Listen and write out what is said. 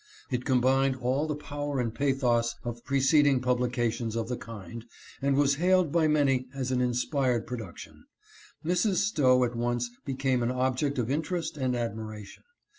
It combined all the power and pathos of preceding publications of the kind, and was hailed by many as an inspired production. Mrs. Stowe at once became an object of interest and admiration.